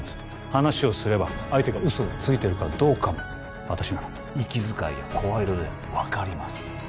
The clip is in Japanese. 話をすれば相手が嘘をついてるかどうかも私なら息遣いや声色で分かります